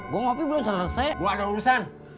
gue ngopi belum selesai nggak ada urusan